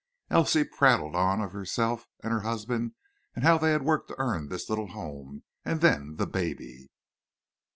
Elsie prattled of herself and her husband and how they had worked to earn this little home, and then the baby.